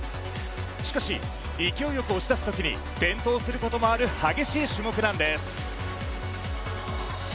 しかし、勢いよく押し出すときに転倒することもある激しい種目なんです。